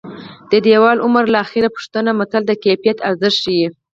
د دېوال عمر له اخېړه پوښته متل د کیفیت ارزښت ښيي